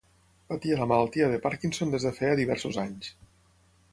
Patia la malaltia de Parkinson des de feia diversos anys.